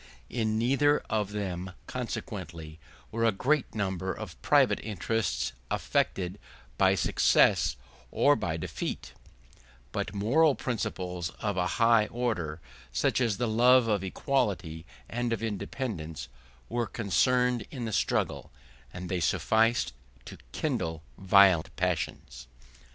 In neither of them, consequently, were a great number of private interests affected by success or by defeat; but moral principles of a high order, such as the love of equality and of independence, were concerned in the struggle, and they sufficed to kindle violent passions.